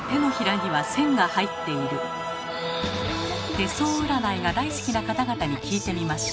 手相占いが大好きな方々に聞いてみました。